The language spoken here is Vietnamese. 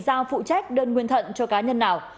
giao phụ trách đơn nguyên thận cho cá nhân nào